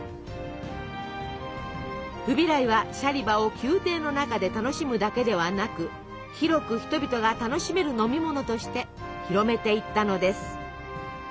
フビライはシャリバを宮廷の中で楽しむだけではなく広く人々が楽しめる飲み物として広めていったのです。